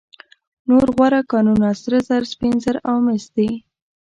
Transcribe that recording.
نور غوره کانونه سره زر، سپین زر او مس دي.